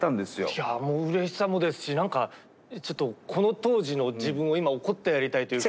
いやもううれしさもですし何かちょっとこの当時の自分を今怒ってやりたいというか。